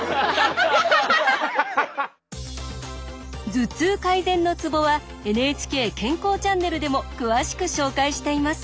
頭痛改善のツボは「ＮＨＫ健康チャンネル」でも詳しく紹介しています。